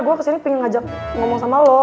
gue kesini pengen ngajak ngomong sama lo